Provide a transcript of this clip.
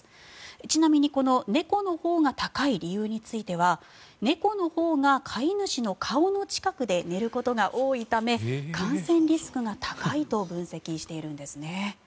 ちなみにこの猫のほうが高い理由については猫のほうが飼い主の顔の近くで寝ることが多いため感染リスクが高いと分析しているんですね。